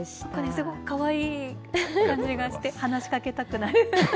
すごくかわいい感じがして、話しかけたくなる。